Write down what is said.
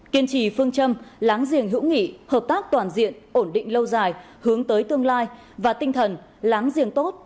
kiên trì phương châm láng giềng hữu nghị hợp tác toàn diện ổn định lâu dài hướng tới tương lai và tinh thần láng giềng tốt